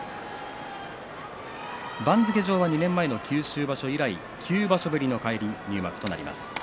番付上は２年前の九州場所以来９場所ぶりの返り入幕となります。